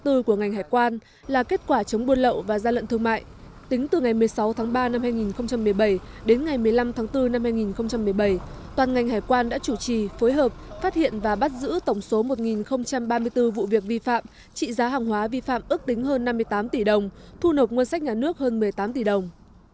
tính từ ngày một mươi sáu tháng ba năm hai nghìn một mươi bảy đến ngày một mươi năm tháng bốn năm hai nghìn một mươi bảy toàn ngành hải quan đã chủ trì phối hợp phát hiện và bắt giữ tổng số một ba mươi bốn vụ việc vi phạm trị giá hàng hóa vi phạm ước tính hơn năm mươi tám tỷ đồng thu nộp nguồn sách nhà nước hơn một mươi tám tỷ đồng